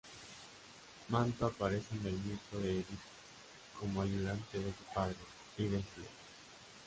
Manto aparece en el mito de Edipo como ayudante de su padre: Tiresias.